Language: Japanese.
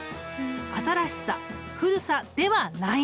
新しさ古さではないのだ。